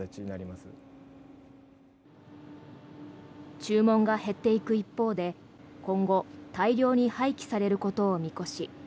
注文が減っていく一方で今後、大量に廃棄されることを見越し